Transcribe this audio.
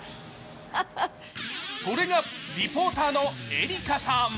それがリポーターのエリカさん。